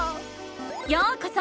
ようこそ！